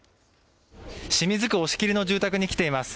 清水区押切の住宅に来ています。